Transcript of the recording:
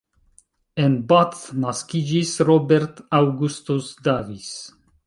En Bath naskiĝis Robert Augustus Davis.